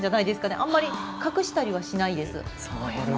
あんまり隠したりはしないです。